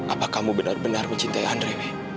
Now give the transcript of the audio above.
apa kamu benar benar mencintai andre